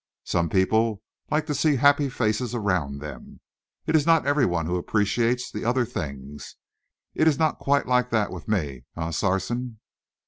Some people like to see happy faces around them. It is not every one who appreciates the other things. It is not quite like that with me, eh, Sarson?"